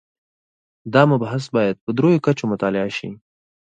دا مبحث باید په درېیو کچو مطالعه شي.